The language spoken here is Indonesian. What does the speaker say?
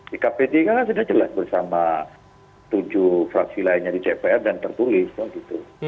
sikap p tiga kan sudah jelas bersama tujuh fraksi lainnya di cpr dan tertulis kan gitu